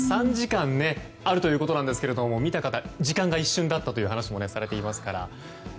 ３時間あるということですが見た方から、時間が一瞬だったという話もされていますから。